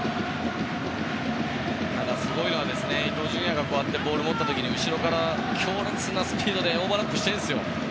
ただ、すごいのは伊東純也がボールを持った時後ろから強烈なスピードでオーバーラップしてるんですよ。